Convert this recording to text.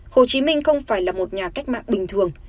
hồ chí minh không phải là một nhà cách mạng bình thường